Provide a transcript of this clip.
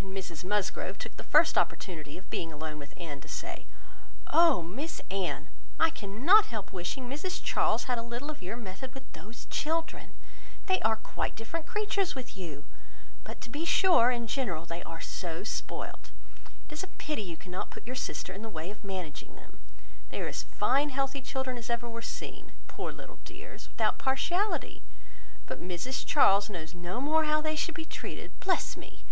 And Mrs Musgrove took the first opportunity of being alone with Anne, to say, "Oh! Miss Anne, I cannot help wishing Mrs Charles had a little of your method with those children. They are quite different creatures with you! But to be sure, in general they are so spoilt! It is a pity you cannot put your sister in the way of managing them. They are as fine healthy children as ever were seen, poor little dears! without partiality; but Mrs Charles knows no more how they should be treated—! Bless me!